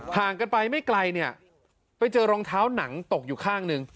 ห่างกันไปไม่ไกลเนี่ยไปเจอรองเท้าหนังตกอยู่ข้างหนึ่ง